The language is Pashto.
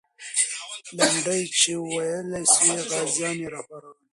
لنډۍ چې ویلې سوې، غازیان یې راوپارول.